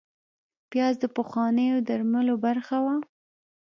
پیاز د پخوانیو درملو برخه وه